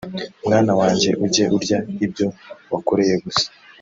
"Mwana wanjye ujye urya ibyo wakoreye gusa